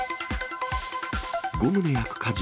５棟焼く火事。